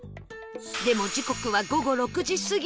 でも時刻は午後６時過ぎ